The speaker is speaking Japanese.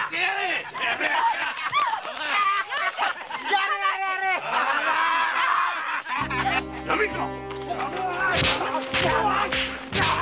やめんか！